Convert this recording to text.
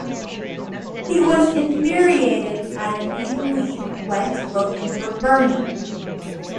He was infuriated and immediately went looking for Bernie.